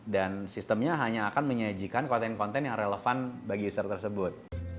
dan sistemnya hanya akan menyajikan konten konten yang relevan bagi user tersebut